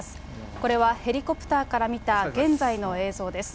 これはヘリコプターから見た現在の映像です。